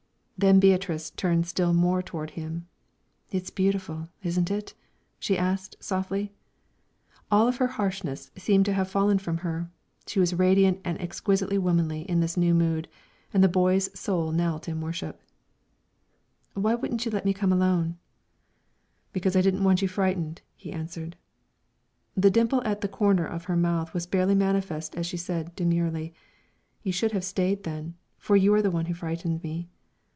Then Beatrice turned still more toward him. "It's beautiful, isn't it?" she asked, softly. All of her harshness seemed to have fallen from her; she was radiant and exquisitely womanly in this new mood, and the boy's soul knelt in worship. "Why wouldn't you let me come alone?" "Because I didn't want you frightened," he answered. The dimple at the corner of her mouth was barely manifest as she said, demurely, "You should have stayed, then; for you are the one who frightened me."